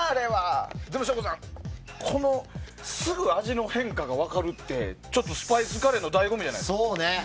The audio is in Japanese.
でも省吾さんすぐ味の変化が分かるってちょっとスパイスカレーの醍醐味じゃないですか？